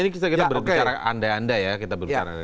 ini kita berbicara andai andai ya